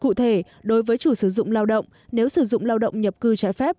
cụ thể đối với chủ sử dụng lao động nếu sử dụng lao động nhập cư trái phép